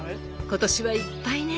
今年はいっぱいね。